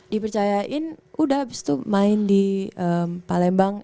dipercayain udah abis itu main di palembang